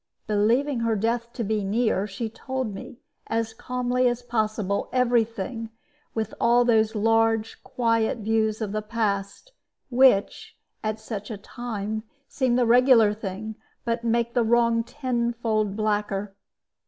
Believing her death to be near, she told me, as calmly as possible, every thing, with all those large, quiet views of the past, which at such a time seem the regular thing, but make the wrong tenfold blacker.